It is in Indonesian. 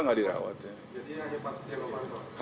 hanya beliau saya yang rawat saya disini cuma dia ya pak